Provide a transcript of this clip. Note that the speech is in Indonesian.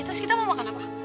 terus kita mau makan apa